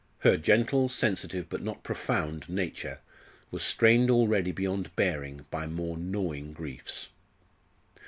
Her gentle, sensitive, but not profound nature was strained already beyond bearing by more gnawing griefs.